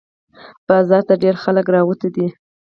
بازار ته ډېر خلق راوتي دي